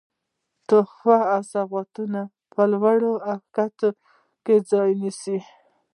تحفې او سوغاتونه په لویه کښتۍ کې ځای سي.